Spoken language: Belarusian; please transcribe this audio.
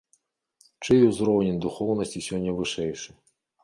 Чый узровень духоўнасці сёння вышэйшы?